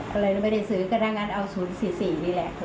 ก็เลยไม่ได้ซื้อก็ได้งั้นเอา๐๔๔นี่แหละ